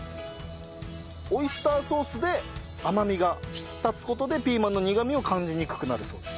オイスターソースで甘みが引き立つ事でピーマンの苦みを感じにくくなるそうです。